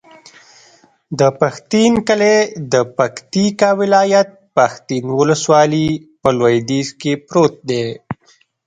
د پښتین کلی د پکتیکا ولایت، پښتین ولسوالي په لویدیځ کې پروت دی.